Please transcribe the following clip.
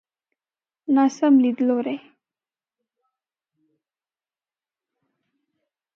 ناسم ليدلوری.